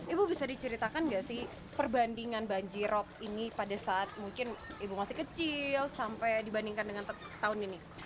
ibu bisa diceritakan nggak sih perbandingan banjirop ini pada saat mungkin ibu masih kecil sampai dibandingkan dengan tahun ini